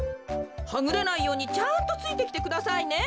はぐれないようにちゃんとついてきてくださいね。